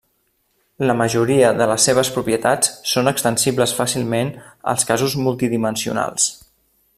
La majoria de les seves propietats són extensibles fàcilment als casos multidimensionals.